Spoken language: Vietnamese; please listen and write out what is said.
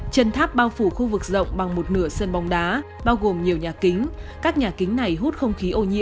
trần tháp bao phủ khu vực rộng bằng một nửa sân bóng đá bao gồm nhiều nhà kính